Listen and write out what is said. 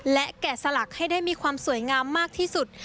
และแกะสลักให้ได้มีความสวยงามมากที่สุด